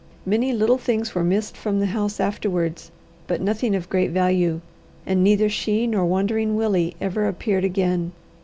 Many little things were missed from the house afterwards, but nothing of great value, and neither she nor Wandering Willie ever appeared again.